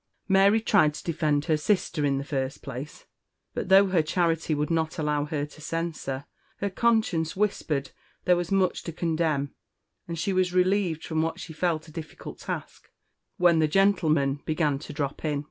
'" Mary tried to defend her sister, in the first place; but though her charity would not allow her to censure, her conscience whispered there was much to condemn; and she was relieved from what she felt a difficult task when the gentlemen began to drop in.